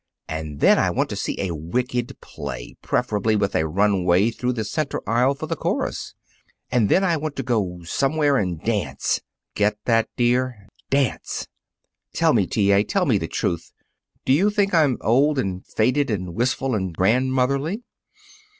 And then I want to see a wicked play, preferably with a runway through the center aisle for the chorus. And then I want to go somewhere and dance! Get that, dear? Dance! Tell me, T. A. tell me the truth: Do you think I'm old, and faded, and wistful and grandmotherly?"